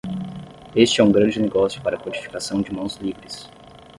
Este é um grande negócio para codificação de mãos livres.